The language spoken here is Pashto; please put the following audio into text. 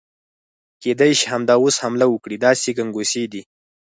کېدای شي همدا اوس حمله وکړي، داسې ګنګوسې دي.